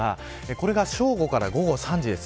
これが正午から午後３時です。